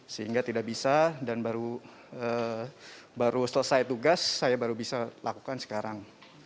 sehingga tidak bisa dan baru selesai tugas saya baru bisa lakukan sekarang